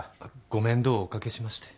ご面倒をおかけしまして。